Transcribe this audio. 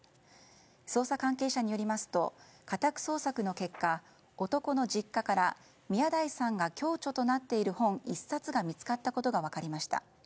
捜査関係者によりますと家宅捜索の結果男の実家から宮台さんが共著となっている本１冊が見つかったことが分かりました。